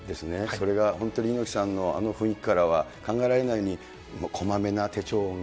それが本当に猪木さんのあの雰囲気からは考えられないような、こまめな手帳を。